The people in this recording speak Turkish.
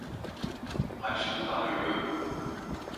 Açlıktan ölüyorum.